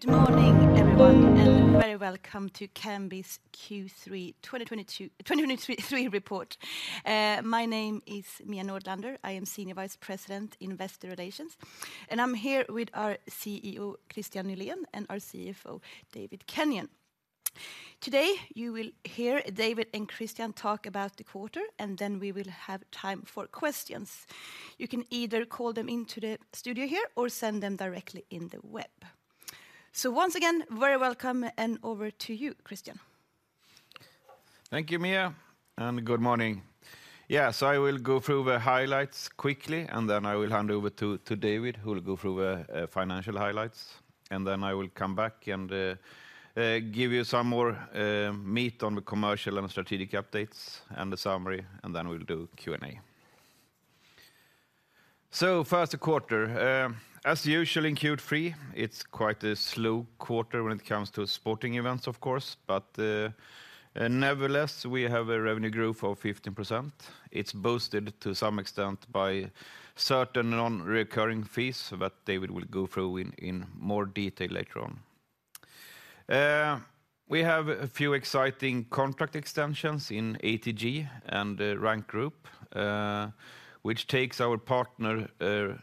Good morning, everyone, and very welcome to Kambi's Q3 2023 report. My name is Mia Nordlander. I am Senior Vice President, Investor Relations, and I'm here with our CEO, Kristian Nylén, and our CFO, David Kenyon. Today, you will hear David and Kristian talk about the quarter, and then we will have time for questions. You can either call them into the studio here or send them directly in the web. So once again, very welcome, and over to you, Kristian. Thank you, Mia, and good morning. Yeah, so I will go through the highlights quickly, and then I will hand over to David, who will go through the financial highlights. And then I will come back and give you some more meat on the commercial and strategic updates and the summary, and then we'll do Q&A. So first, the quarter. As usual, in Q3, it's quite a slow quarter when it comes to sporting events, of course, but nevertheless, we have a revenue growth of 15%. It's boosted to some extent by certain non-recurring fees that David will go through in more detail later on. We have a few exciting contract extensions in ATG and Rank Group, which takes our partner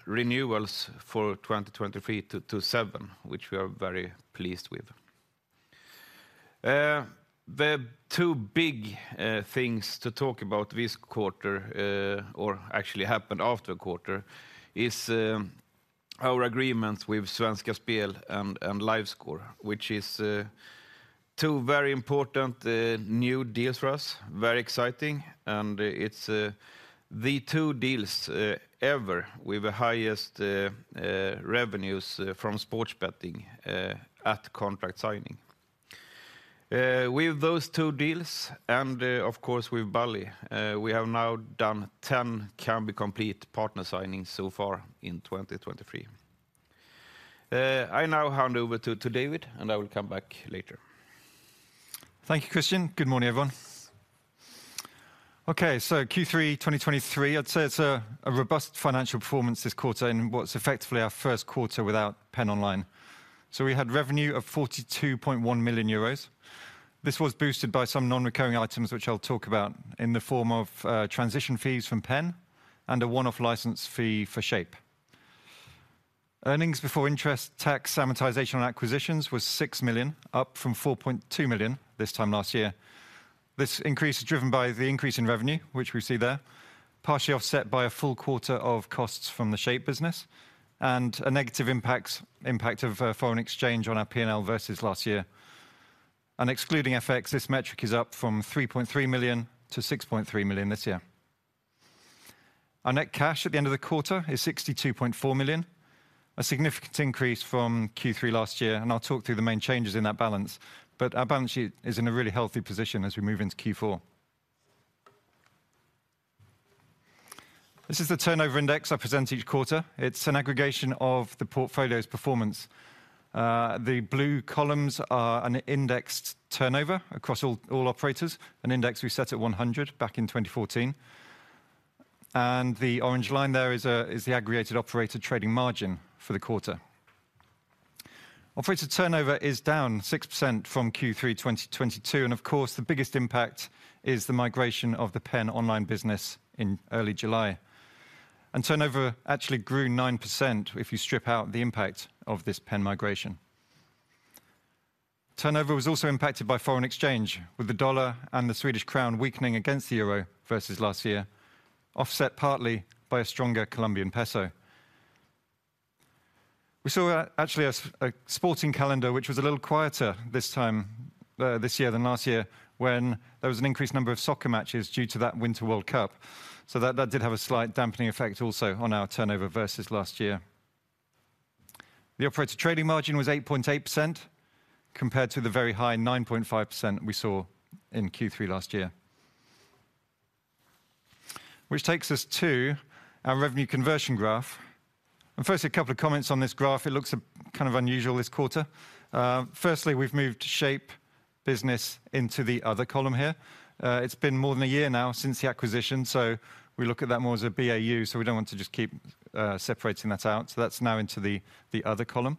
renewals for 2023 to seven, which we are very pleased with. The two big things to talk about this quarter, or actually happened after the quarter, is our agreements with Svenska Spel and LiveScore, which is two very important new deals for us, very exciting, and it's the two deals ever with the highest revenues from sports betting at contract signing. With those two deals and, of course, with Bally's, we have now done 10 Kambi Complete partner signings so far in 2023. I now hand over to David, and I will come back later. Thank you, Kristian. Good morning, everyone. Okay, so Q3 2023, I'd say it's a robust financial performance this quarter in what's effectively our first quarter without PENN Online. So we had revenue of 42.1 million euros. This was boosted by some non-recurring items, which I'll talk about, in the form of, transition fees from PENN and a one-off license fee for Shape. Earnings before interest, tax, amortization, and acquisitions was 6 million, up from 4.2 million this time last year. This increase is driven by the increase in revenue, which we see there, partially offset by a full quarter of costs from the Shape business and a negative impact of, foreign exchange on our PNL versus last year. And excluding FX, this metric is up from 3.3 million to 6.3 million this year. Our net cash at the end of the quarter is 62.4 million, a significant increase from Q3 last year, and I'll talk through the main changes in that balance. But our balance sheet is in a really healthy position as we move into Q4. This is the turnover index I present each quarter. It's an aggregation of the portfolio's performance. The blue columns are an indexed turnover across all, all operators, an index we set at 100 back in 2014. And the orange line there is the aggregated operator trading margin for the quarter. Operator turnover is down 6% from Q3 2022, and of course, the biggest impact is the migration of the PENN Online business in early July. And turnover actually grew 9% if you strip out the impact of this PENN migration. Turnover was also impacted by foreign exchange, with the U.S. dollar and the Swedish krona weakening against the euro versus last year, offset partly by a stronger Colombian peso. We saw actually a sporting calendar, which was a little quieter this time this year than last year, when there was an increased number of soccer matches due to that Winter World Cup. So that did have a slight dampening effect also on our turnover versus last year. The operator trading margin was 8.8%, compared to the very high 9.5% we saw in Q3 last year. Which takes us to our revenue conversion graph. Firstly, a couple of comments on this graph. It looks kind of unusual this quarter. Firstly, we've moved Shape business into the other column here. It's been more than a year now since the acquisition, so we look at that more as a BAU, so we don't want to just keep separating that out. So that's now into the other column.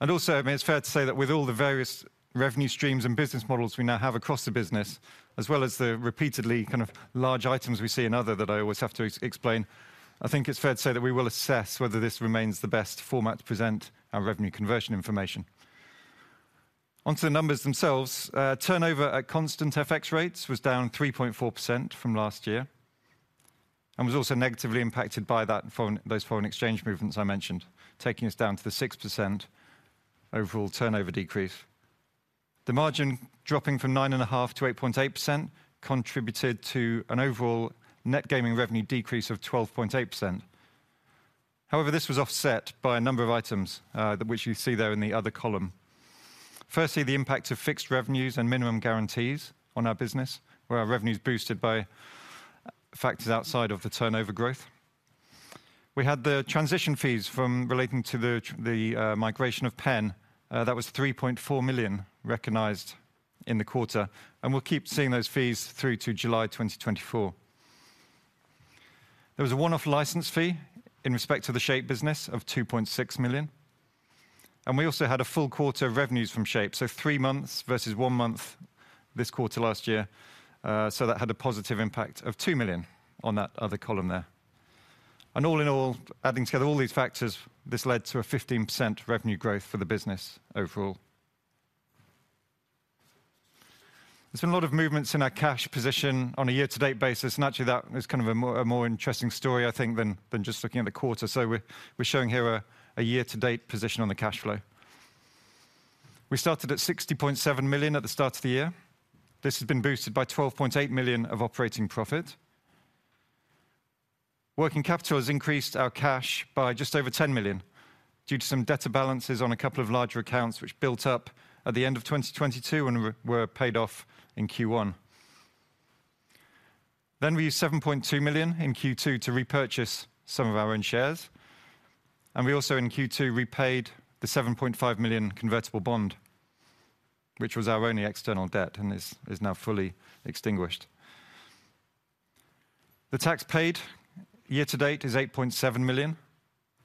And also, I mean, it's fair to say that with all the various revenue streams and business models we now have across the business, as well as the repeatedly kind of large items we see in other that I always have to explain, I think it's fair to say that we will assess whether this remains the best format to present our revenue conversion information. Onto the numbers themselves, turnover at constant FX rates was down 3.4% from last year and was also negatively impacted by those foreign exchange movements I mentioned, taking us down to the 6% overall turnover decrease. The margin, dropping from 9.5%-8.8%, contributed to an overall net gaming revenue decrease of 12.8%. However, this was offset by a number of items, which you see there in the other column. Firstly, the impact of fixed revenues and minimum guarantees on our business, where our revenue's boosted by factors outside of the turnover growth. We had the transition fees from relating to the migration of PENN. That was 3.4 million recognized in the quarter, and we'll keep seeing those fees through to July 2024. There was a one-off license fee in respect to the Shape business of 2.6 million, and we also had a full quarter of revenues from Shape, so three months versus one month this quarter last year, so that had a positive impact of 2 million on that other column there. And all in all, adding together all these factors, this led to a 15% revenue growth for the business overall. There's been a lot of movements in our cash position on a year-to-date basis, and actually, that is kind of a more, a more interesting story, I think, than, than just looking at the quarter. So we're, we're showing here a, a year-to-date position on the cash flow. We started at 60.7 million at the start of the year. This has been boosted by 12.8 million of operating profit. Working capital has increased our cash by just over 10 million due to some debtor balances on a couple of larger accounts, which built up at the end of 2022 and were paid off in Q1. Then we used 7.2 million in Q2 to repurchase some of our own shares, and we also in Q2, repaid the 7.5 million convertible bond, which was our only external debt, and is now fully extinguished. The tax paid year to date is 8.7 million,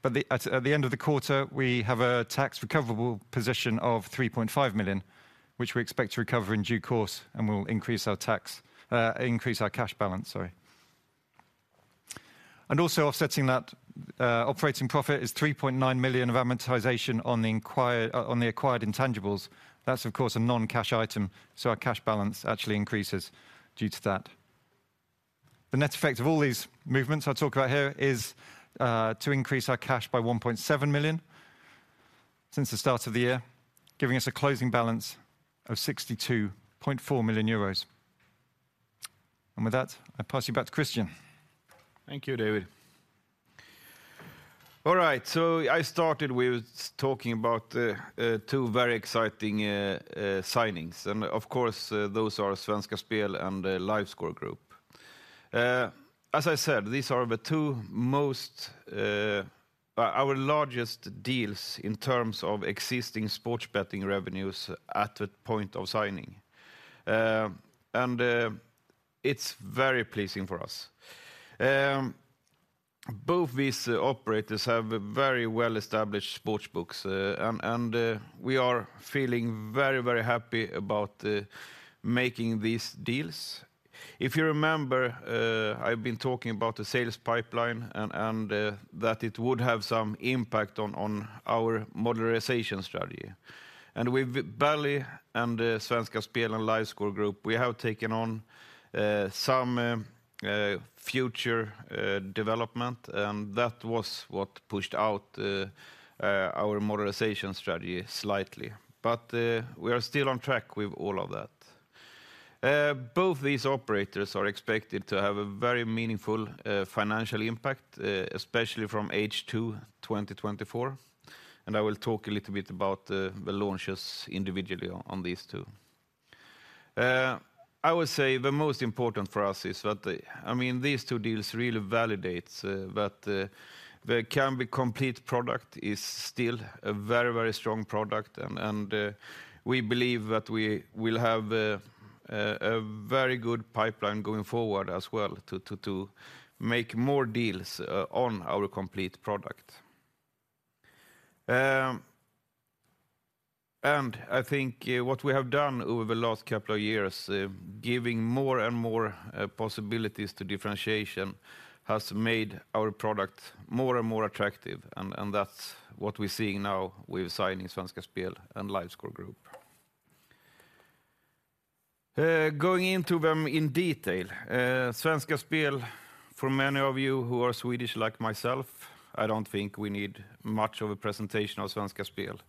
but at the end of the quarter, we have a tax recoverable position of 3.5 million, which we expect to recover in due course and will increase our tax, increase our cash balance, sorry. And also offsetting that, operating profit is 3.9 million of amortization on the acquired, on the acquired intangibles. That's, of course, a non-cash item, so our cash balance actually increases due to that. The net effect of all these movements I talk about here is to increase our cash by 1.7 million since the start of the year, giving us a closing balance of 62.4 million euros. And with that, I pass you back to Kristian. Thank you, David. All right, so I started with talking about the two very exciting signings, and of course, those are Svenska Spel and the LiveScore Group. As I said, these are our largest deals in terms of existing sports betting revenues at the point of signing. And it's very pleasing for us. Both these operators have a very well-established sportsbooks, and we are feeling very, very happy about making these deals. If you remember, I've been talking about the sales pipeline and that it would have some impact on our modularization strategy. With Bally and Svenska Spel and LiveScore Group, we have taken on some future development, and that was what pushed out our modularization strategy slightly. But we are still on track with all of that. Both these operators are expected to have a very meaningful financial impact, especially from H2 2024, and I will talk a little bit about the launches individually on these two. I would say the most important for us is that the—I mean, these two deals really validates that the Kambi Complete product is still a very, very strong product, and we believe that we will have a very good pipeline going forward as well to make more deals on our Complete product. And I think what we have done over the last couple of years, giving more and more possibilities to differentiation has made our product more and more attractive, and that's what we're seeing now with signing Svenska Spel and LiveScore Group. Going into them in detail, Svenska Spel, for many of you who are Swedish, like myself, I don't think we need much of a presentation of Svenska Spel.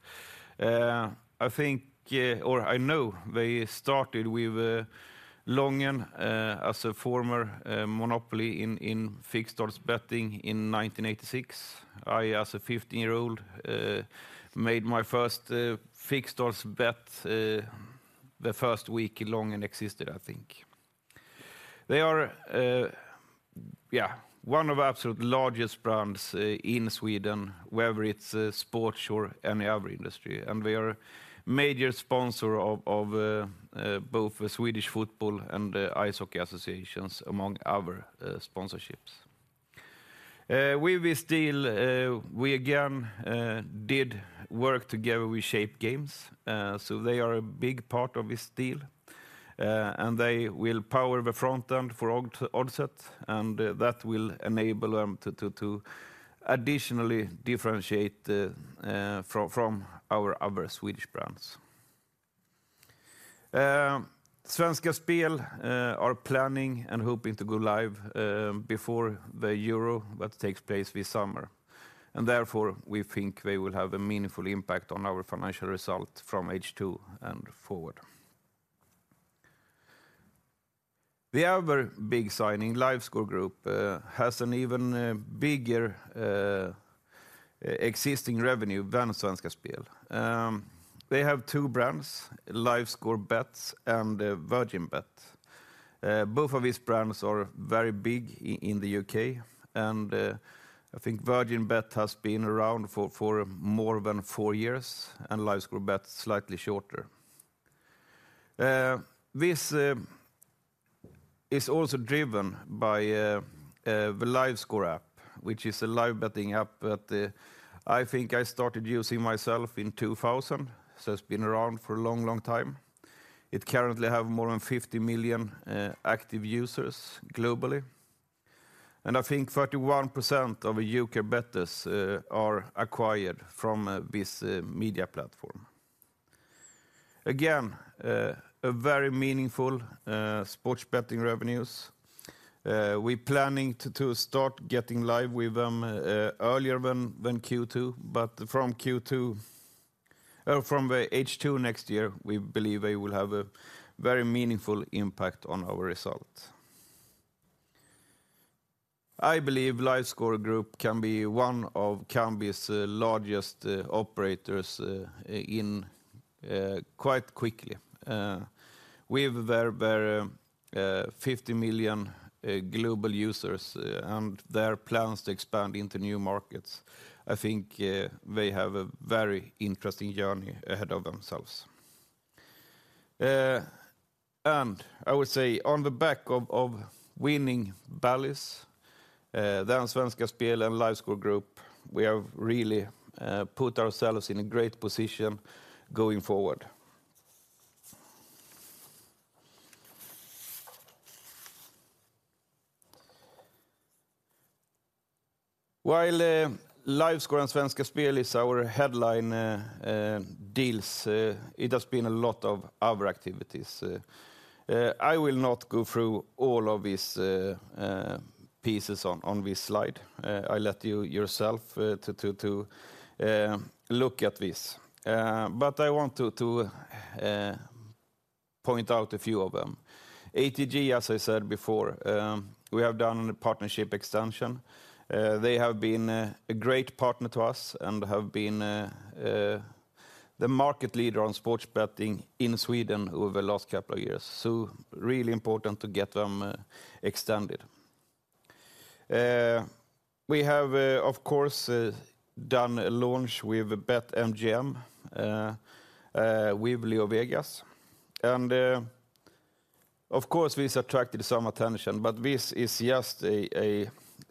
I think, or I know they started with Lången as a former monopoly in fixed odds betting in 1986. I, as a 15-year-old, made my first fixed odds bet the first week Lången existed, I think. They are, yeah, one of absolute largest brands in Sweden, whether it's sports or any other industry, and they are a major sponsor of both the Swedish football and ice hockey associations, among other sponsorships. With this deal, we again did work together with Shape Games, so they are a big part of this deal, and they will power the front end for Oddset, and that will enable them to additionally differentiate the from our other Swedish brands. Svenska Spel are planning and hoping to go live before the Euro that takes place this summer, and therefore, we think they will have a meaningful impact on our financial result from H2 and forward. The other big signing, LiveScore Group, has an even bigger existing revenue than Svenska Spel. They have two brands, LiveScore Bet and Virgin Bet. Both of these brands are very big in the U.K., and I think Virgin Bet has been around for more than four years, and LiveScore Bet, slightly shorter. This is also driven by the LiveScore app, which is a live betting app that I think I started using myself in 2000, so it's been around for a long, long time. It currently have more than 50 million active users globally, and I think 31% of U.K. bettors are acquired from this media platform. Again, a very meaningful sports betting revenues. We're planning to start getting live with them earlier than Q2, but from Q2 or from the H2 next year, we believe they will have a very meaningful impact on our result. I believe LiveScore Group can be one of Kambi's largest operators quite quickly. With their 50 million global users and their plans to expand into new markets, I think they have a very interesting journey ahead of themselves. And I would say on the back of winning Bally's, then Svenska Spel and LiveScore Group, we have really put ourselves in a great position going forward. While LiveScore and Svenska Spel is our headline deals, it has been a lot of other activities. I will not go through all of these pieces on this slide. I let you yourself to look at this. But I want to point out a few of them. ATG, as I said before, we have done a partnership extension. They have been the market leader on sports betting in Sweden over the last couple of years, so really important to get them extended. We have, of course, done a launch with BetMGM with LeoVegas, and, of course, this attracted some attention, but this is just a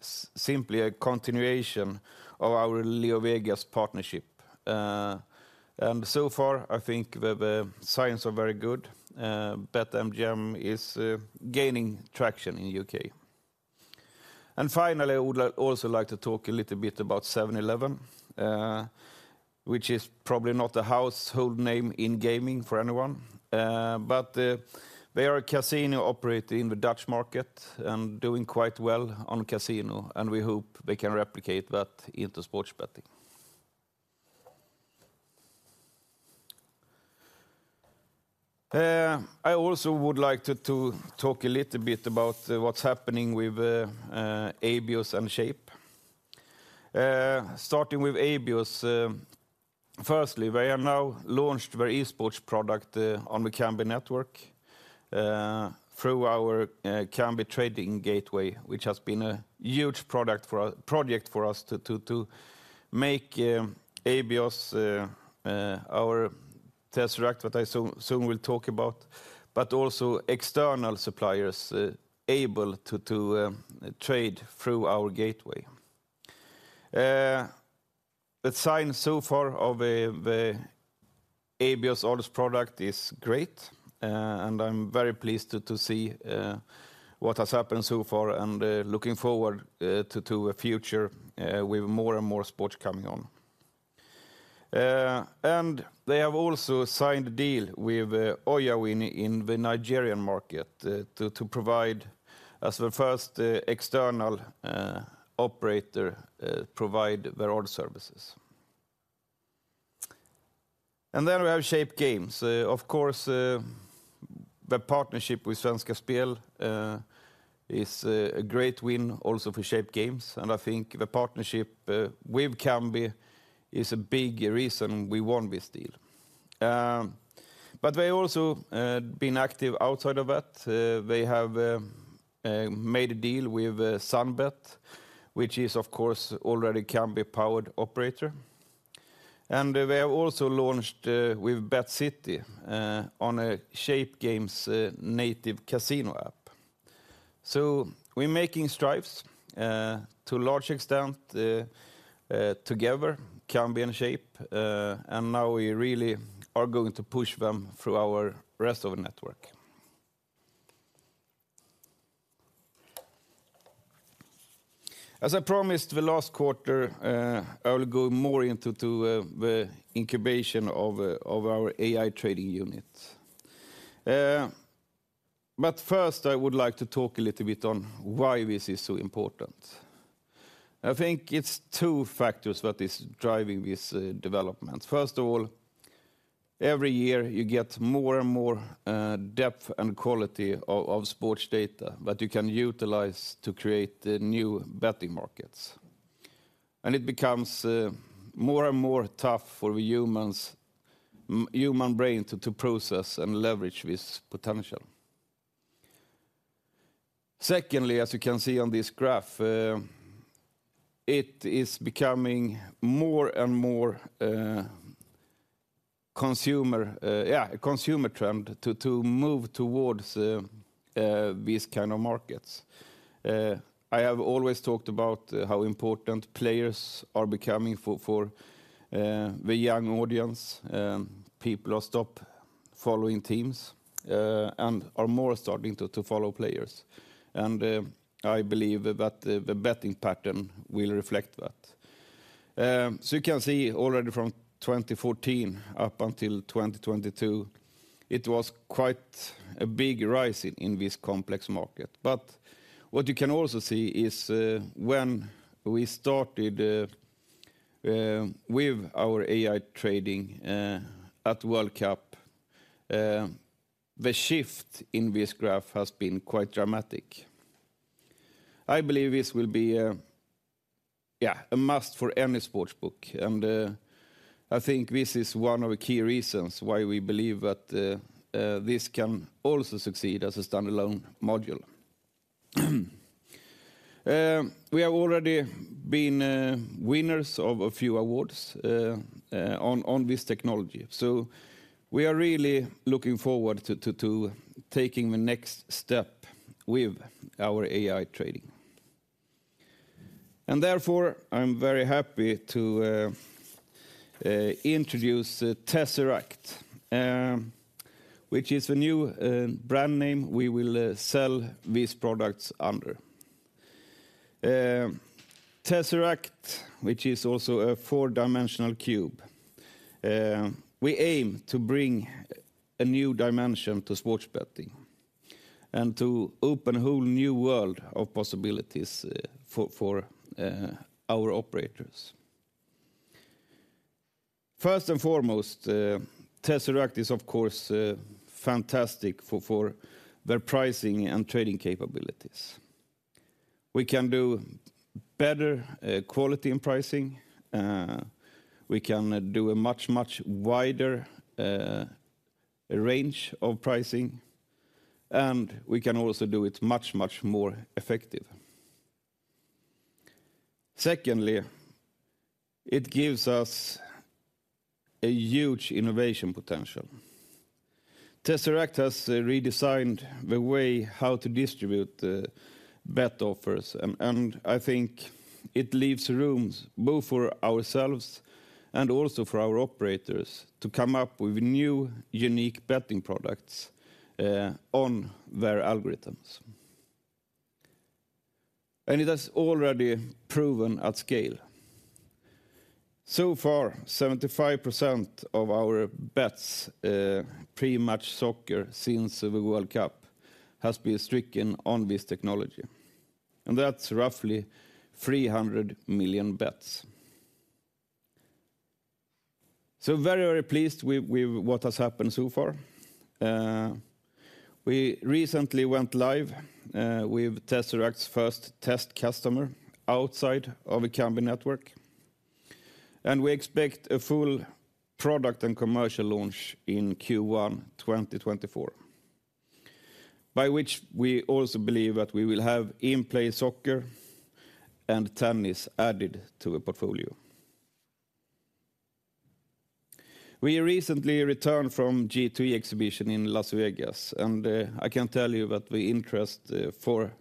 simply a continuation of our LeoVegas partnership. And so far, I think the signs are very good. BetMGM is gaining traction in U.K. And finally, I would like also like to talk a little bit about 711, which is probably not a household name in gaming for anyone, but they are a casino operator in the Dutch market and doing quite well on casino, and we hope they can replicate that into sports betting. I also would like to talk a little bit about what's happening with Abios and Shape. Starting with Abios, firstly, they have now launched their esports product on the Kambi network through our Kambi Trading Gateway, which has been a huge project for us to make Abios our Tzeract, what I soon will talk about, but also external suppliers able to trade through our gateway. The signs so far of the Abios odds product is great, and I'm very pleased to see what has happened so far, and looking forward to a future with more and more sports coming on. And they have also signed a deal with Oyawin in the Nigerian market to provide as the first external operator provide their own services. And then we have Shape Games. Of course, the partnership with Svenska Spel is a great win also for Shape Games, and I think the partnership with Kambi is a big reason we won this deal. But they also been active outside of that. They have made a deal with SunBet, which is, of course, already Kambi-powered operator. They have also launched with BetCity on a Shape Games native casino app. So we're making strides to a large extent together, Kambi and Shape, and now we really are going to push them through the rest of the network. As I promised the last quarter, I will go more into the incubation of our AI trading unit. But first, I would like to talk a little bit on why this is so important. I think it's two factors what is driving this development. First of all, every year, you get more and more depth and quality of sports data that you can utilize to create the new betting markets. And it becomes more and more tough for the human brain to process and leverage this potential.... Secondly, as you can see on this graph, it is becoming more and more, consumer, yeah, consumer trend to, to move towards, these kind of markets. I have always talked about how important players are becoming for, for, the young audience, and people are stop following teams, and are more starting to, to follow players. And, I believe that the, the betting pattern will reflect that. So you can see already from 2014 up until 2022, it was quite a big rise in, this complex market. But what you can also see is, when we started, with our AI trading, at World Cup, the shift in this graph has been quite dramatic. I believe this will be a, yeah, a must for any sportsbook. I think this is one of the key reasons why we believe that this can also succeed as a standalone module. We have already been winners of a few awards on this technology, so we are really looking forward to taking the next step with our AI trading. And therefore, I'm very happy to introduce Tzeract, which is a new brand name we will sell these products under. Tzeract, which is also a four-dimensional cube. We aim to bring a new dimension to sports betting and to open a whole new world of possibilities for our operators. First and foremost, Tzeract is, of course, fantastic for their pricing and trading capabilities. We can do better, quality in pricing, we can do a much, much wider, range of pricing, and we can also do it much, much more effective. Secondly, it gives us a huge innovation potential. Tzeract has, redesigned the way how to distribute the bet offers, and, and I think it leaves rooms both for ourselves and also for our operators to come up with new, unique betting products, on their algorithms. And it has already proven at scale. So far, 75% of our bets, pre-match soccer since the World Cup, has been stricken on this technology, and that's roughly 300 million bets. So very, very pleased with, what has happened so far. We recently went live with Tzeract's first test customer outside of the Kambi network, and we expect a full product and commercial launch in Q1 2024, by which we also believe that we will have in-play soccer and tennis added to the portfolio. We recently returned from G2E Exhibition in Las Vegas, and I can tell you that the interest for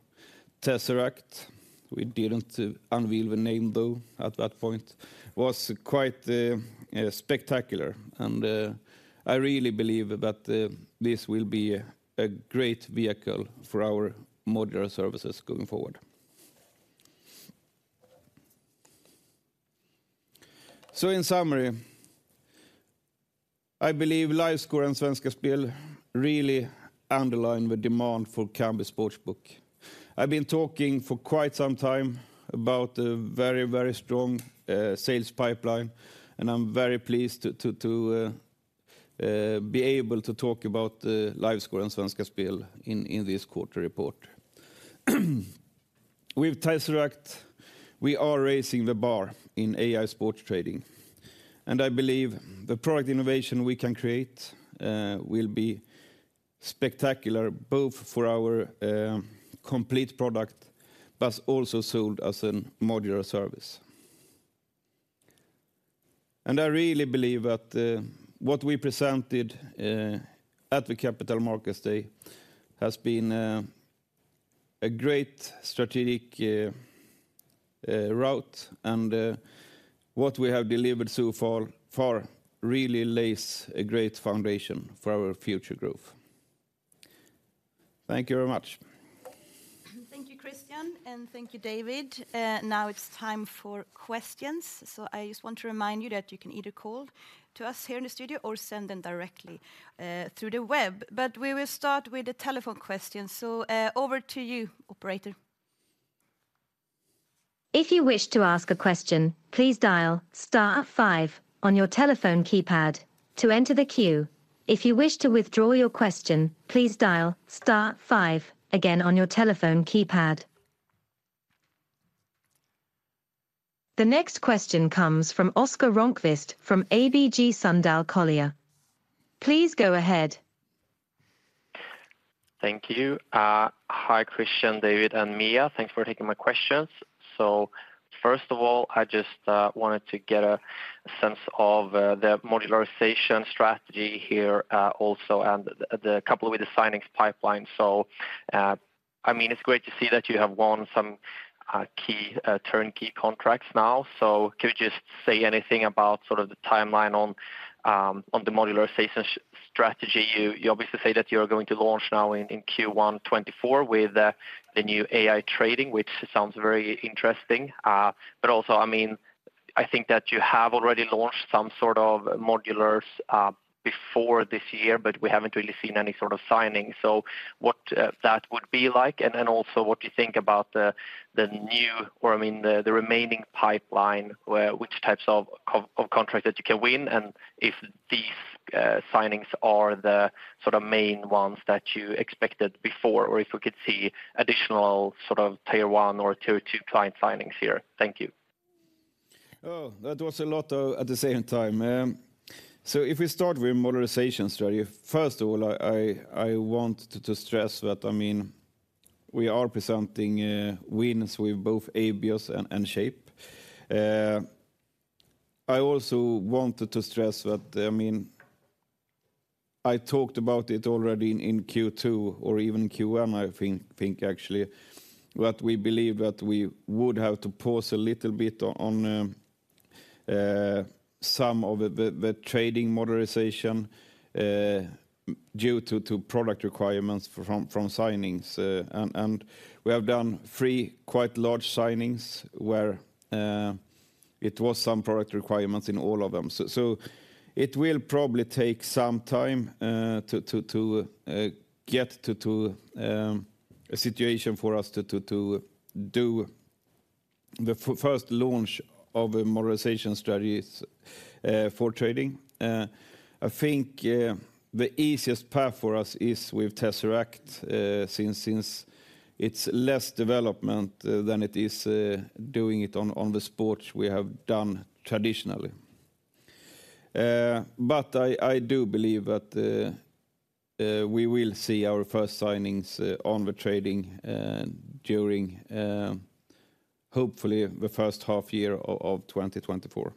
Tzeract, we didn't unveil the name though, at that point, was quite spectacular, and I really believe that this will be a great vehicle for our modular services going forward. So in summary, I believe LiveScore and Svenska Spel really underline the demand for Kambi Sportsbook. I've been talking for quite some time about a very, very strong sales pipeline, and I'm very pleased to be able to talk about the LiveScore and Svenska Spel in this quarter report. With Tzeract, we are raising the bar in AI sports trading, and I believe the product innovation we can create will be spectacular, both for our complete product, but also sold as a modular service. And I really believe that what we presented at the Capital Markets Day has been a great strategic route, and what we have delivered so far really lays a great foundation for our future growth. Thank you very much. Thank you, Kristian, and thank you, David. Now it's time for questions. So I just want to remind you that you can either call to us here in the studio or send them directly through the web. But we will start with the telephone questions. So, over to you, operator. If you wish to ask a question, please dial star five on your telephone keypad to enter the queue. If you wish to withdraw your question, please dial star five again on your telephone keypad. The next question comes from Oscar Rönnkvist from ABG Sundal Collier. Please go ahead. Thank you. Hi, Kristian, David, and Mia. Thanks for taking my questions. So first of all, I just wanted to get a sense of the modularization strategy here, also, and the couple with the signings pipeline. So, I mean, it's great to see that you have won some key turnkey contracts now. So could you just say anything about sort of the timeline on the modularization strategy? You obviously say that you are going to launch now in Q1 2024 with the new AI trading, which sounds very interesting. But also, I mean, I think that you have already launched some sort of modulars before this year, but we haven't really seen any sort of signing. So what that would be like? Then also, what do you think about the new, or I mean, the remaining pipeline, which types of contracts that you can win, and if these signings are the sort of main ones that you expected before, or if we could see additional sort of tier one or tier two client signings here? Thank you. Oh, that was a lot of at the same time. So if we start with modularization strategy, first of all, I want to stress that, I mean, we are presenting wins with both Abios and Shape. I also wanted to stress that, I mean, I talked about it already in Q2 or even Q1, I think actually, that we believe that we would have to pause a little bit on some of the trading modularization due to product requirements from signings. And we have done three quite large signings, where it was some product requirements in all of them. It will probably take some time to get to a situation for us to do the first launch of a modularization strategies for trading. I think the easiest path for us is with Tzeract, since it's less development than it is doing it on the sports we have done traditionally. But I do believe that we will see our first signings on the trading during hopefully the first half year of 2024.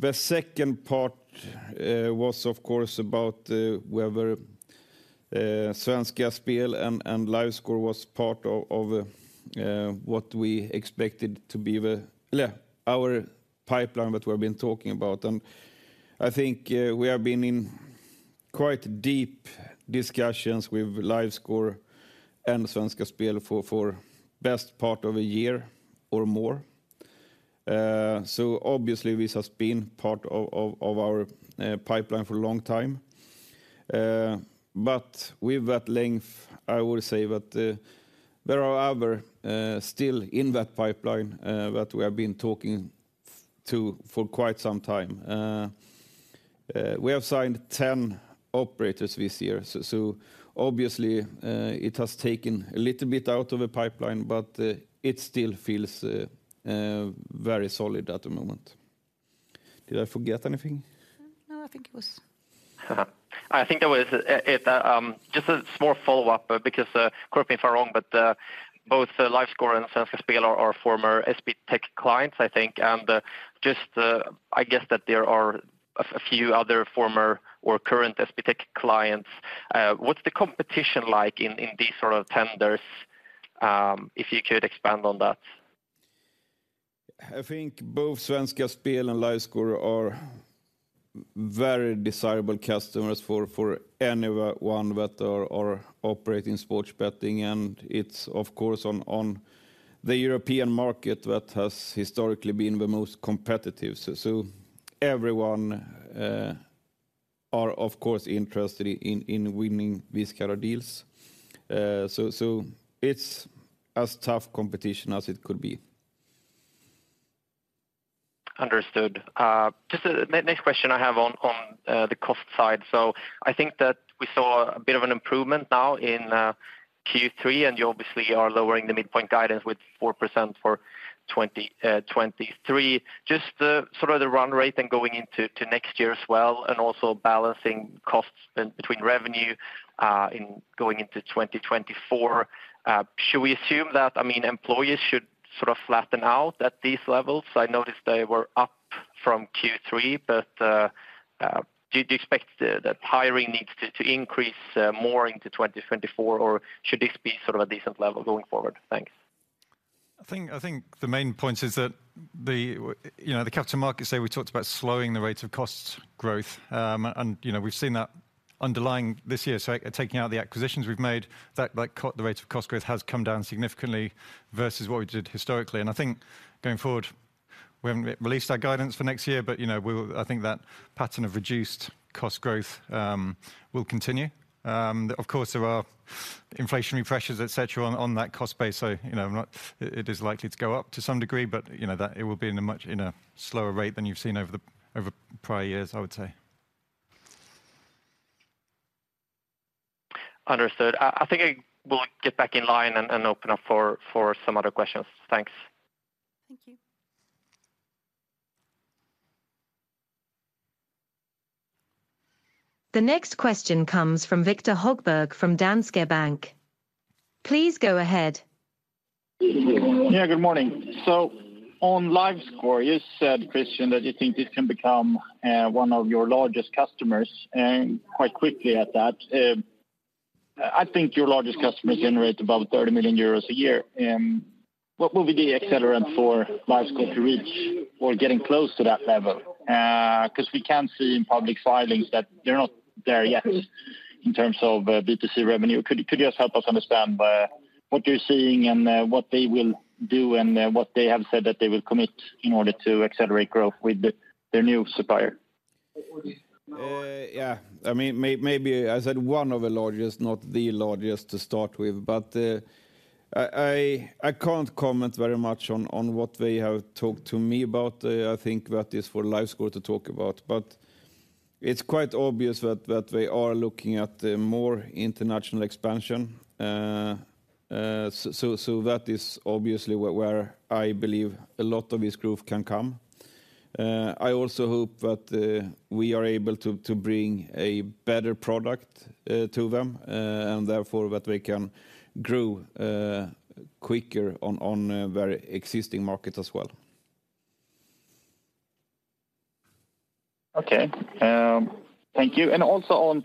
The second part was of course about whether Svenska Spel and LiveScore was part of what we expected to be the... Yeah, our pipeline that we've been talking about. I think we have been in quite deep discussions with LiveScore and Svenska Spel for the best part of a year or more. So obviously this has been part of our pipeline for a long time. But with that length, I would say that there are others still in that pipeline that we have been talking to for quite some time. We have signed 10 operators this year, so obviously it has taken a little bit out of the pipeline, but it still feels very solid at the moment. Did I forget anything? No, I think it was- I think that was it. Just a small follow-up, because, correct me if I'm wrong, but, both, LiveScore and Svenska Spel are, are former SBTech clients, I think. And, just, I guess that there are a few other former or current SBTech clients. What's the competition like in, in these sort of tenders? If you could expand on that. I think both Svenska Spel and LiveScore are very desirable customers for anyone that are operating sports betting. And it's of course on the European market that has historically been the most competitive. So everyone are of course interested in winning these kind of deals. So it's as tough competition as it could be. Understood. Just a next question I have on the cost side. So I think that we saw a bit of an improvement now in Q3, and you obviously are lowering the midpoint guidance with 4% for 2023. Just the sort of the run rate then going into next year as well, and also balancing costs between revenue in going into 2024, should we assume that, I mean, employees should sort of flatten out at these levels? I noticed they were up from Q3, but do you expect the hiring needs to increase more into 2024, or should this be sort of a decent level going forward? Thanks. I think, I think the main point is that the, you know, the Capital Markets Day we talked about slowing the rates of cost growth. And, you know, we've seen that underlying this year. So taking out the acquisitions we've made, that, like, the rate of cost growth has come down significantly versus what we did historically. And I think going forward, we haven't released our guidance for next year, but, you know, we... I think that pattern of reduced cost growth will continue. Of course, there are inflationary pressures, et cetera, on, on that cost base. So, you know, it is likely to go up to some degree, but, you know, that it will be in a much in a slower rate than you've seen over prior years, I would say.... Understood. I think I will get back in line and open up for some other questions. Thanks. Thank you. The next question comes from Viktor Högberg from Danske Bank. Please go ahead. Yeah, good morning. So on LiveScore, you said, Kristian, that you think this can become one of your largest customers, and quite quickly at that. I think your largest customers generate about 30 million euros a year. What will be the accelerant for LiveScore to reach or getting close to that level? Because we can't see in public filings that they're not there yet in terms of B2C revenue. Could you just help us understand what you're seeing and what they will do, and what they have said that they will commit in order to accelerate growth with the new supplier? Yeah. I mean, maybe I said one of the largest, not the largest to start with. But I can't comment very much on what they have talked to me about. I think that is for LiveScore to talk about. But it's quite obvious that they are looking at a more international expansion. So that is obviously where I believe a lot of this growth can come. I also hope that we are able to bring a better product to them, and therefore that we can grow quicker on very existing markets as well. Okay. Thank you. And also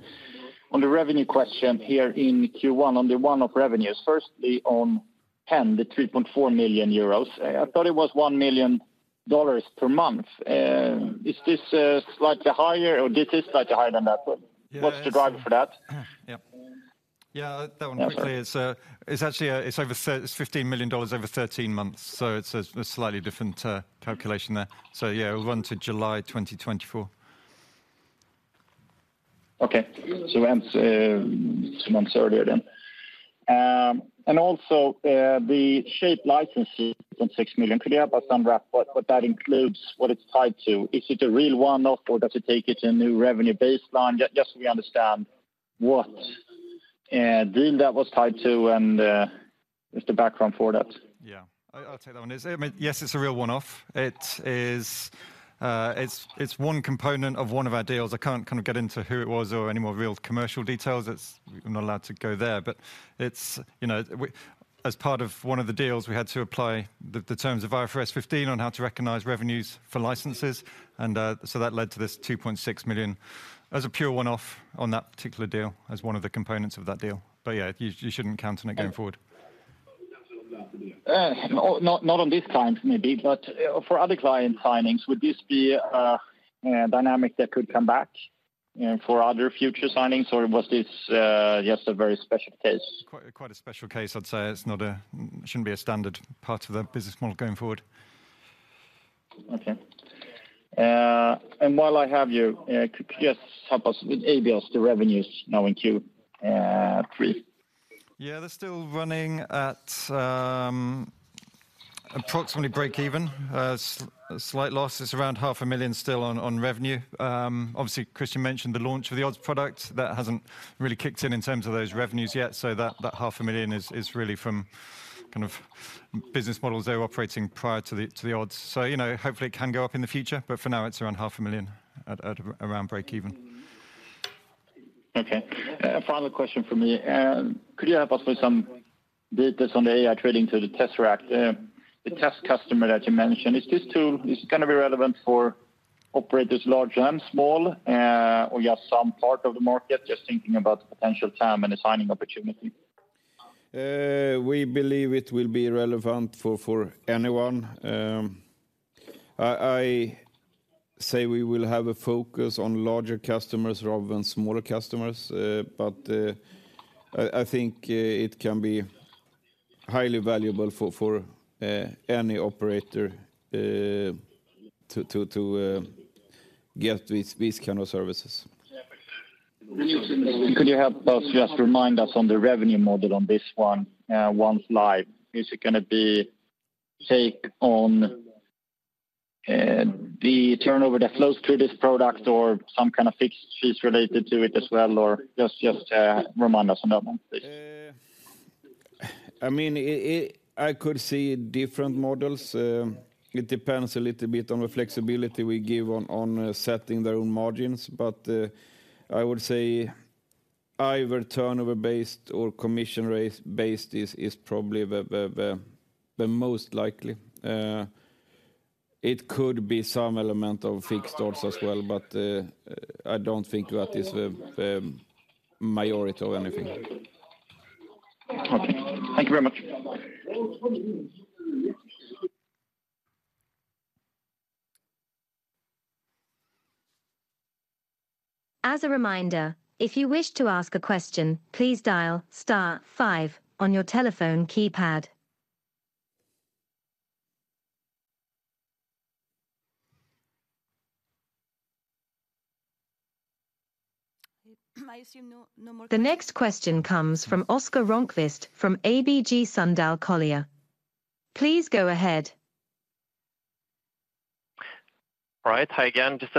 on the revenue question here in Q1, on the one-off revenues. Firstly, on hand, the 2.4 million euros. I thought it was $1 million per month. Is this slightly higher, or this is slightly higher than that? Yes. What's the drive for that? Yeah. Yeah, that one quickly. Sure. It's actually fifteen million dollars over 13 months, so it's a slightly different calculation there. So yeah, we'll run to July 2024. Okay. So ends two months earlier then. And also, the Shape license is on 6 million. Could you help us unwrap what, what that includes, what it's tied to? Is it a real one-off, or does it take it a new revenue baseline? Just, just so we understand what, deal that was tied to and, just the background for that. Yeah. I'll take that one. It's, I mean, yes, it's a real one-off. It is, it's one component of one of our deals. I can't kind of get into who it was or any more real commercial details. It's - I'm not allowed to go there. But it's, you know, we - As part of one of the deals, we had to apply the terms of IFRS 15 on how to recognize revenues for licenses. And so that led to this 2.6 million. As a pure one-off on that particular deal, as one of the components of that deal. But yeah, you shouldn't count on it going forward. Not on this client, maybe, but for other client signings, would this be a dynamic that could come back for other future signings, or was this just a very special case? Quite, quite a special case, I'd say. It's not, shouldn't be a standard part of the business model going forward. Okay. And while I have you, could you just help us with Abios, the revenues now in Q3? Yeah, they're still running at approximately break even. Slight loss is around 500,000 still on revenue. Obviously, Kristian mentioned the launch of the odds product. That hasn't really kicked in, in terms of those revenues yet, so that half a million is really from kind of business models they were operating prior to the odds. So, you know, hopefully it can go up in the future, but for now, it's around 500,000, at around break even. Okay. Final question for me. Could you help us with some details on the AI trading to the Tzeract? The test customer that you mentioned, is this tool, is kind of irrelevant for operators large and small, or just some part of the market? Just thinking about the potential time and the signing opportunity. We believe it will be relevant for anyone. I say we will have a focus on larger customers rather than smaller customers. But I think it can be highly valuable for any operator to get these kind of services. Could you help us, just remind us on the revenue model on this one, once live? Is it gonna be take on, the turnover that flows through this product or some kind of fixed fees related to it as well, or just, just, remind us on that one, please? I mean, I could see different models. It depends a little bit on the flexibility we give on setting their own margins. But, I would say either turnover-based or commission-based is probably the most likely. It could be some element of fixed costs as well, but I don't think that is the majority or anything. Okay. Thank you very much. As a reminder, if you wish to ask a question, please dial star five on your telephone keypad. I assume no, no more questions. The next question comes from Oscar Rönnkvist, from ABG Sundal Collier. Please go ahead.... All right. Hi again, just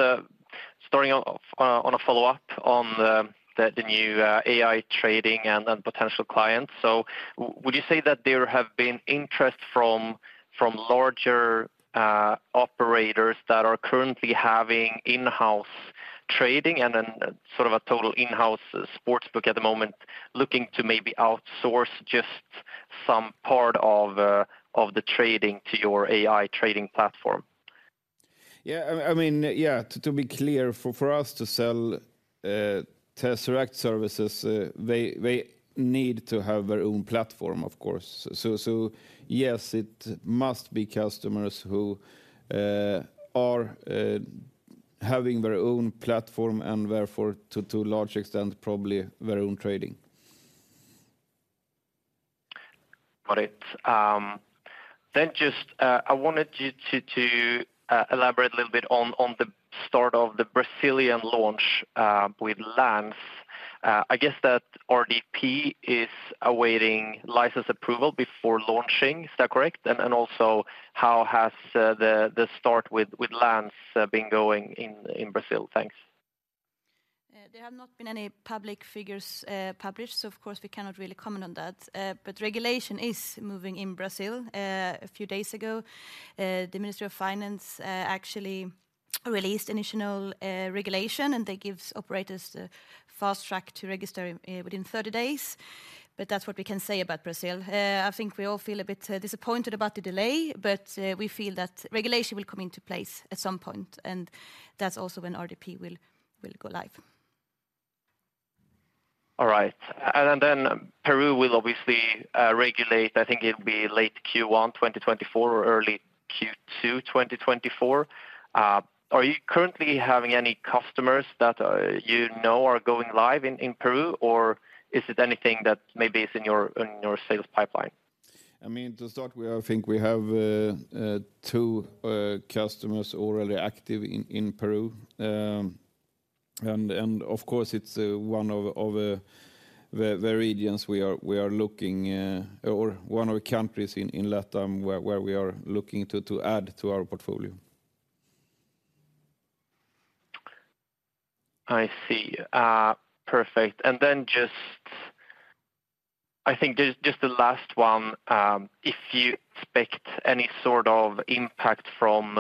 starting off on a follow-up on the new AI trading and then potential clients. So would you say that there have been interest from larger operators that are currently having in-house trading and then sort of a total in-house sportsbook at the moment, looking to maybe outsource just some part of the trading to your AI trading platform? Yeah, I mean, yeah, to be clear, for us to sell Tzeract services, they need to have their own platform, of course. So, yes, it must be customers who are having their own platform and therefore to a large extent, probably their own trading. Got it. Then just, I wanted you to elaborate a little bit on the start of the Brazilian launch with Lance. I guess that RDP is awaiting license approval before launching. Is that correct? And also, how has the start with Lance been going in Brazil? Thanks. There have not been any public figures published, so of course we cannot really comment on that. But regulation is moving in Brazil. A few days ago, the Ministry of Finance actually released initial regulation, and that gives operators a fast track to register within 30 days. But that's what we can say about Brazil. I think we all feel a bit disappointed about the delay, but we feel that regulation will come into place at some point, and that's also when RDP will go live. All right. And then Peru will obviously regulate. I think it will be late Q1 2024 or early Q2 2024. Are you currently having any customers that, you know, are going live in Peru, or is it anything that maybe is in your sales pipeline? I mean, to start with, I think we have two customers already active in Peru. And of course, it's one of the regions we are looking or one of the countries in Latin where we are looking to add to our portfolio. I see. Perfect. And then just... I think just the last one, if you expect any sort of impact from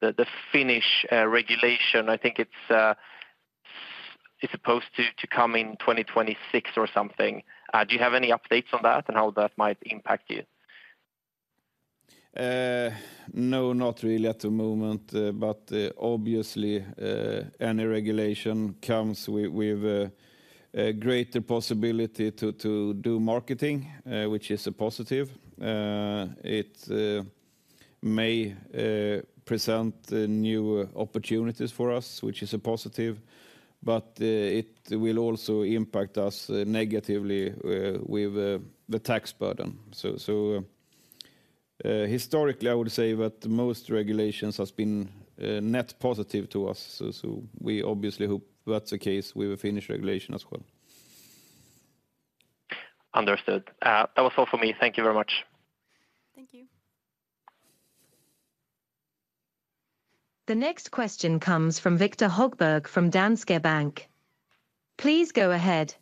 the Finnish regulation, I think it's supposed to come in 2026 or something. Do you have any updates on that and how that might impact you? No, not really at the moment, but obviously, any regulation comes with a greater possibility to do marketing, which is a positive. It may present new opportunities for us, which is a positive, but it will also impact us negatively with the tax burden. So, historically, I would say that most regulations has been net positive to us. So we obviously hope that's the case with the Finnish regulation as well. Understood. That was all for me. Thank you very much. The next question comes from Viktor Högberg, from Danske Bank. Please go ahead.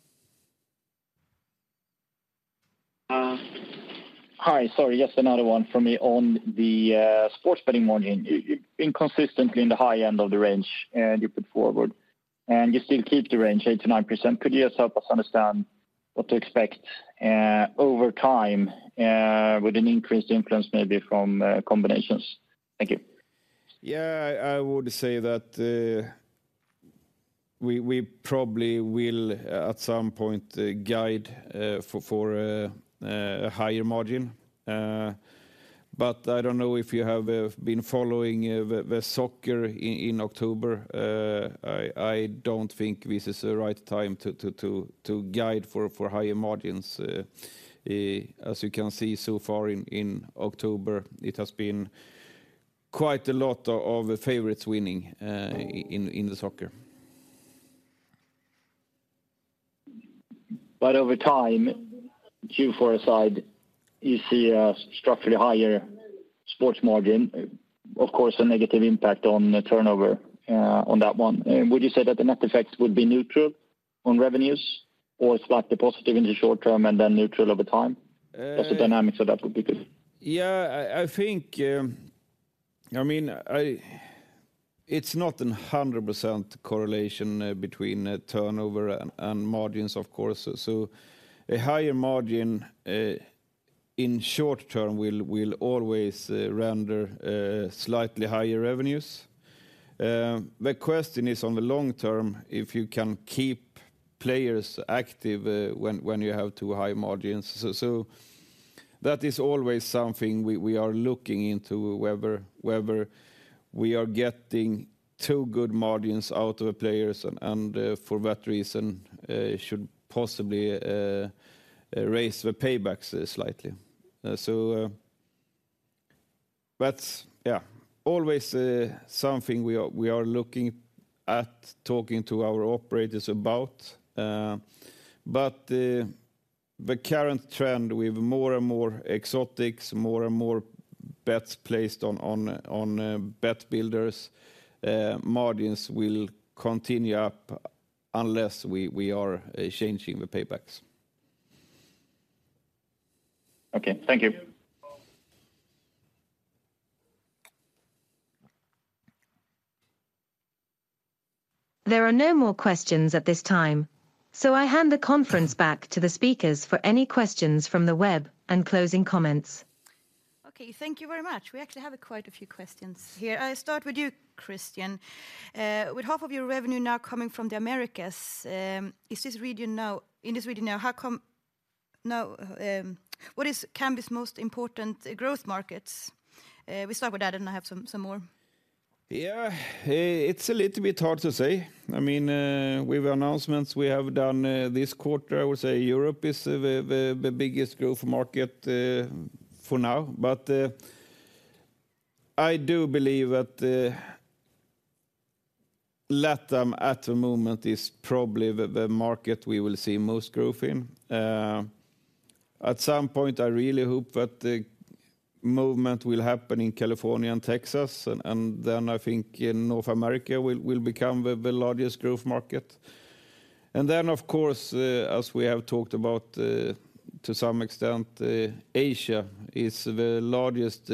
Hi. Sorry, just another one for me. On the sports betting margin, inconsistently in the high end of the range you put forward, and you still keep the range 8%-9%. Could you just help us understand what to expect over time with an increased influence, maybe from combinations? Thank you. Yeah, I would say that we probably will at some point guide for a higher margin. But I don't know if you have been following the soccer in October. I don't think this is the right time to guide for higher margins. As you can see, so far in October, it has been quite a lot of the favorites winning in the soccer. But over time, Q4 aside, you see a structurally higher sports margin, of course, a negative impact on the turnover, on that one. Would you say that the net effect would be neutral on revenues or slightly positive in the short term and then neutral over time? What's the dynamics of that would be good? Yeah, I, I think, I mean, it's not 100% correlation between turnover and margins, of course. So a higher margin in short term will always render slightly higher revenues. The question is, on the long term, if you can keep players active when you have two high margins. So that is always something we are looking into, whether we are getting two good margins out of the players and for that reason should possibly raise the paybacks slightly. So that's, yeah, always something we are looking at talking to our operators about. But... The current trend with more and more exotics, more and more bets placed on Bet Builders, margins will continue up unless we are changing the paybacks. Okay, thank you. There are no more questions at this time, so I hand the conference back to the speakers for any questions from the web and closing comments. Okay, thank you very much. We actually have quite a few questions here. I start with you, Kristian. With half of your revenue now coming from the Americas, is this region now—in this region now, how come—now, what is Kambi's most important growth markets? We start with that, and I have some, some more. Yeah, it's a little bit hard to say. I mean, with announcements we have done this quarter, I would say Europe is the biggest growth market for now. But I do believe that LATAM at the moment is probably the market we will see most growth in. At some point, I really hope that the movement will happen in California and Texas, and then I think North America will become the largest growth market. And then, of course, as we have talked about to some extent, Asia is the largest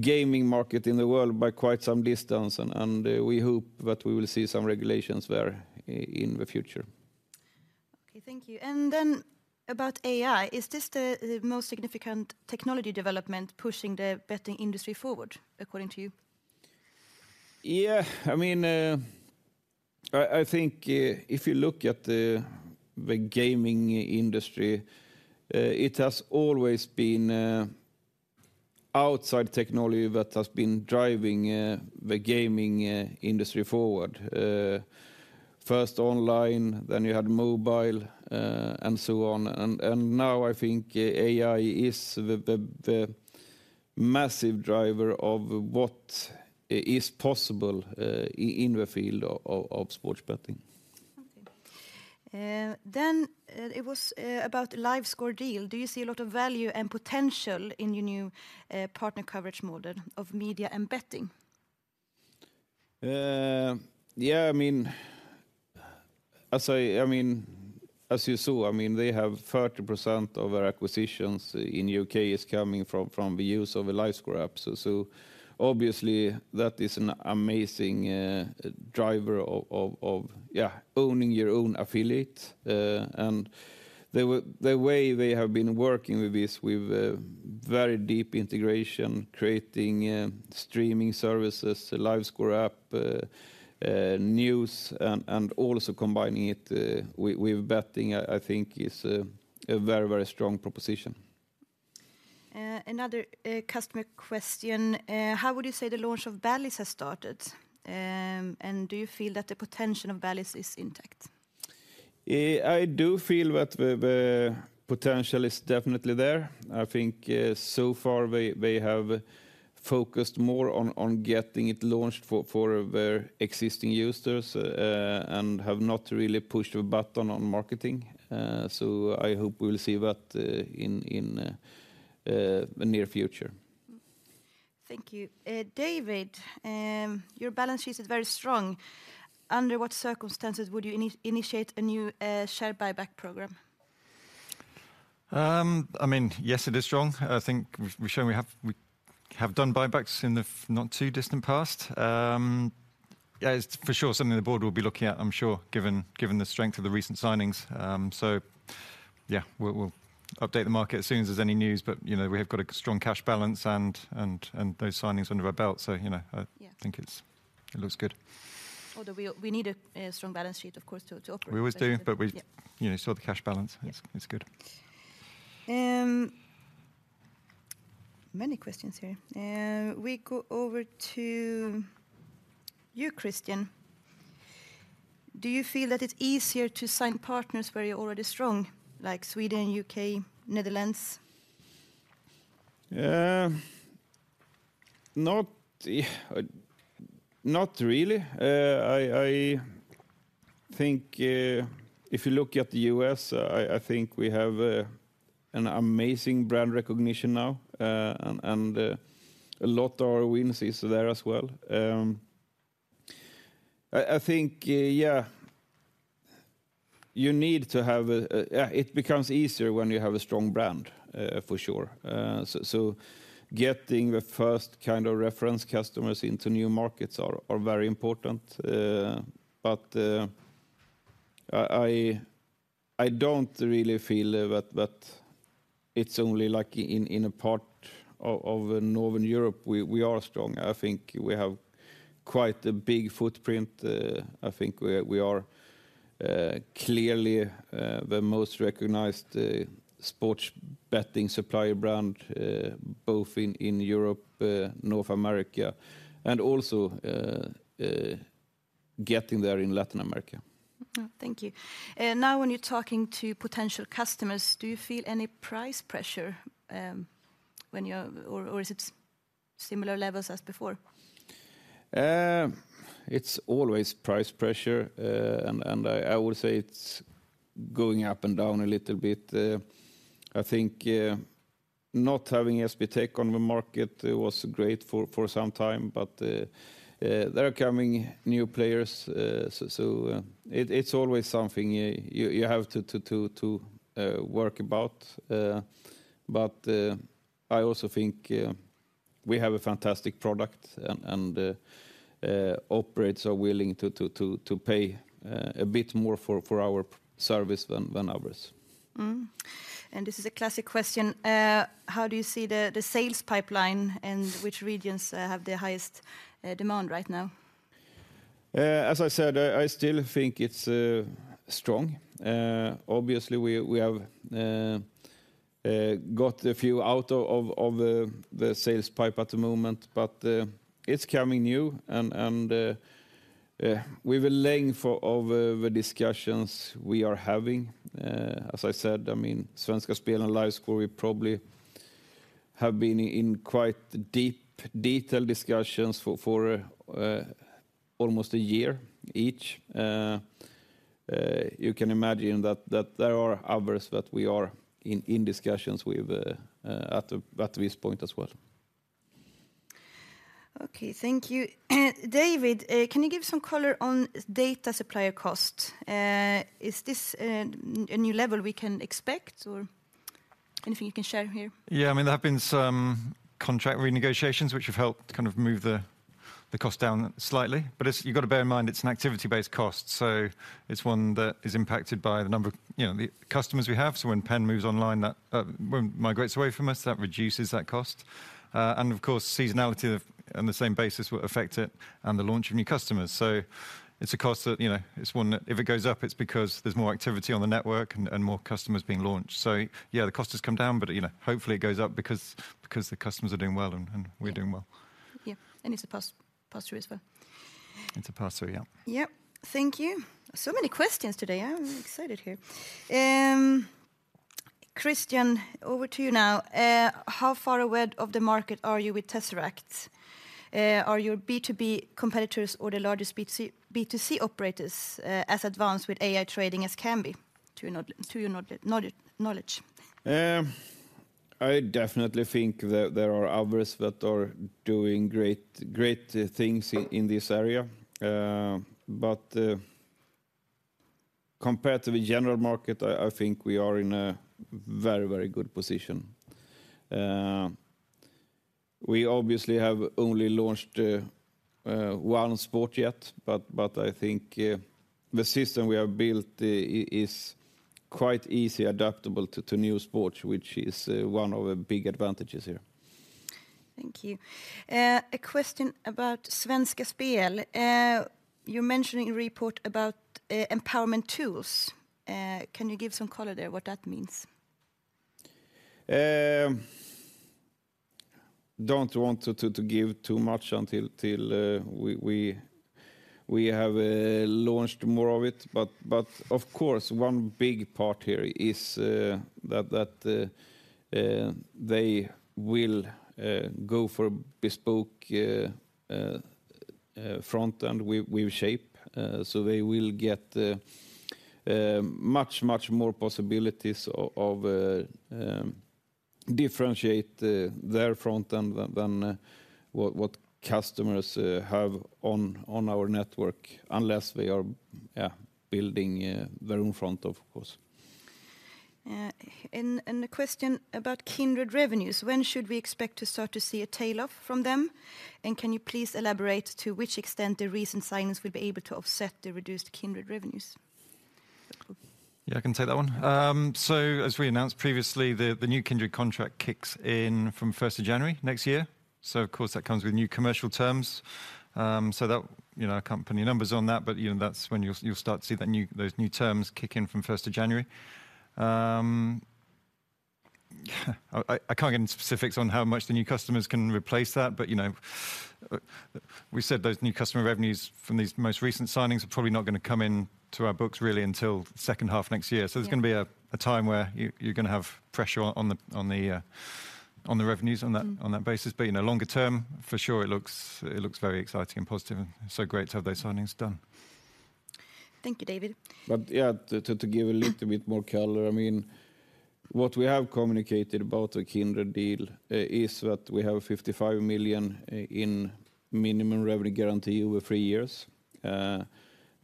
gaming market in the world by quite some distance, and we hope that we will see some regulations there in the future. Okay, thank you. And then about AI, is this the most significant technology development pushing the betting industry forward, according to you? Yeah, I mean, I think if you look at the gaming industry, it has always been outside technology that has been driving the gaming industry forward. First online, then you had mobile, and so on. And now I think AI is the massive driver of what is possible in the field of sports betting. Okay. Then, it was about LiveScore deal. Do you see a lot of value and potential in your new partner coverage model of media and betting? Yeah, I mean, as you saw, I mean, they have 30% of our acquisitions in U.K. is coming from the use of a LiveScore app. So, obviously, that is an amazing driver of owning your own affiliate. And the way they have been working with this with very deep integration, creating streaming services, the LiveScore app, news, and also combining it with betting, I think is a very, very strong proposition. Another customer question. How would you say the launch of Bally's has started? And do you feel that the potential of Bally's is intact? I do feel that the potential is definitely there. I think, so far they have focused more on getting it launched for their existing users, and have not really pushed the button on marketing. So I hope we will see that in the near future. Thank you. David, your balance sheet is very strong. Under what circumstances would you initiate a new share buyback program? I mean, yes, it is strong. I think we've shown we have done buybacks in the not too distant past. Yeah, it's for sure something the board will be looking at, I'm sure, given the strength of the recent signings. So yeah, we'll update the market as soon as there's any news, but, you know, we have got a strong cash balance and those signings under our belt. So, you know, I- Yeah... think it's, it looks good. Although we need a strong balance sheet, of course, to operate. We always do, but we- Yeah... you know, still the cash balance- Yeah... it's good. Many questions here. We go over to you, Kristian. Do you feel that it's easier to sign partners where you're already strong, like Sweden, U.K., Netherlands? Not really. I think if you look at the U.S., I think we have an amazing brand recognition now, and a lot of our wins is there as well. I think yeah, you need to have a... Yeah, it becomes easier when you have a strong brand, for sure. So getting the first kind of reference customers into new markets are very important. But I don't really feel that it's only like in a part of Northern Europe we are strong. I think we have quite a big footprint. I think we are clearly the most recognized sports betting supplier brand both in Europe, North America, and also getting there in Latin America. Oh, thank you. Now, when you're talking to potential customers, do you feel any price pressure, or is it similar levels as before?... It's always price pressure, and I would say it's going up and down a little bit. I think not having SBTech on the market, it was great for some time, but there are coming new players. So it's always something you have to work about. But I also think we have a fantastic product, and operators are willing to pay a bit more for our service than others. This is a classic question. How do you see the sales pipeline, and which regions have the highest demand right now? As I said, I still think it's strong. Obviously, we have got a few out of the sales pipe at the moment, but it's coming new. We've a length of the discussions we are having. As I said, I mean, Svenska Spel and LiveScore, we probably have been in quite deep detail discussions for almost a year each. You can imagine that there are others that we are in discussions with at this point as well. Okay, thank you. David, can you give some color on data supplier cost? Is this a new level we can expect, or anything you can share here? Yeah, I mean, there have been some contract renegotiations, which have helped kind of move the cost down slightly. But it's, you've got to bear in mind, it's an activity-based cost, so it's one that is impacted by the number of, you know, the customers we have. So when PENN moves online, that, when migrates away from us, that reduces that cost. And of course, seasonality on the same basis will affect it and the launch of new customers. So it's a cost that, you know, it's one that if it goes up, it's because there's more activity on the network and, and more customers being launched. So yeah, the cost has come down, but, you know, hopefully it goes up because, because the customers are doing well, and, and we're doing well. Yeah, and it's a pass-pass through as well. It's a pass through, yeah. Yep. Thank you. So many questions today. I'm excited here. Kristian, over to you now. How far ahead of the market are you with Tzeract? Are your B2B competitors or the largest B2C, B2C operators as advanced with AI trading as Kambi to your knowledge? I definitely think that there are others that are doing great, great things in this area. But compared to the general market, I think we are in a very, very good position. We obviously have only launched one sport yet, but I think the system we have built is quite easy adaptable to new sports, which is one of the big advantages here. Thank you. A question about Svenska Spel. You're mentioning a report about empowerment tools. Can you give some color there, what that means? Don't want to give too much until we have launched more of it. But of course, one big part here is that they will go for bespoke front end with Shape. So they will get much more possibilities to differentiate their front end than what customers have on our network, unless we are building their own front end of course. Yeah. And, and a question about Kindred revenues. When should we expect to start to see a tail off from them? And can you please elaborate to which extent the recent signings will be able to offset the reduced Kindred revenues? Yeah, I can take that one. So as we announced previously, the new Kindred contract kicks in from first of January next year. So of course, that comes with new commercial terms. So that, you know, I can't put any numbers on that, but, you know, that's when you'll start to see the new—those new terms kick in from first of January. I can't get into specifics on how much the new customers can replace that, but, you know, we said those new customer revenues from these most recent signings are probably not gonna come in to our books really until second half next year. Yeah. So there's gonna be a time where you're gonna have pressure on the revenues- Mm... on that, on that basis. But, you know, longer term, for sure, it looks, it looks very exciting and positive, and so great to have those signings done. Thank you, David. But yeah, to give a little bit more color, I mean, what we have communicated about the Kindred deal is that we have 55 million in minimum revenue guarantee over three years.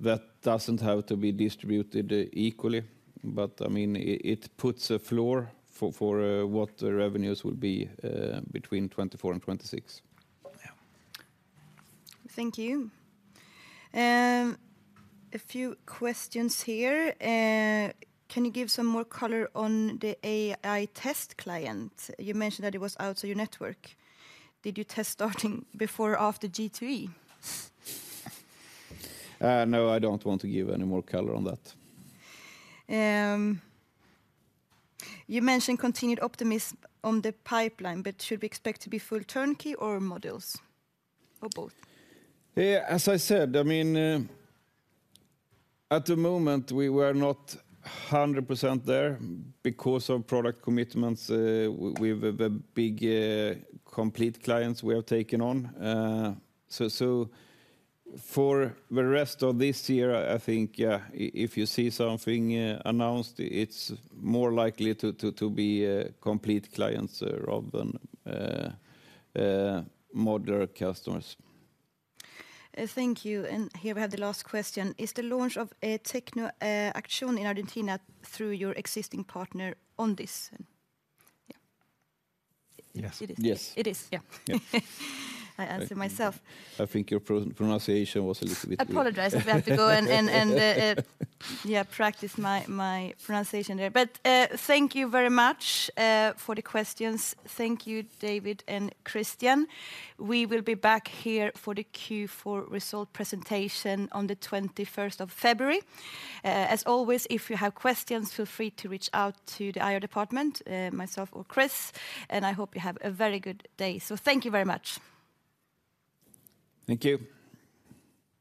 That doesn't have to be distributed equally, but I mean, it puts a floor for what the revenues will be between 2024 and 2026. Yeah. Thank you. A few questions here. Can you give some more color on the AI test client? You mentioned that it was out of your network. Did you test starting before or after G2E? No, I don't want to give any more color on that. You mentioned continued optimism on the pipeline, but should we expect to be full turnkey or modules, or both? As I said, I mean, at the moment, we were not 100% there because of product commitments with the big complete clients we have taken on. So, for the rest of this year, I think, yeah, if you see something announced, it's more likely to be complete clients rather than modular customers. Thank you. Here we have the last question: Is the launch of Tecno Action in Argentina through your existing partner on this? Yeah. Yes. It is. Yes. It is, yeah. Yeah. I answer myself. I think your pronunciation was a little bit weird. I apologize. If I have to go and practice my pronunciation there. But, thank you very much for the questions. Thank you, David and Kristian. We will be back here for the Q4 result presentation on the 21st of February. As always, if you have questions, feel free to reach out to the IR department, myself or Chris, and I hope you have a very good day. So thank you very much. Thank you.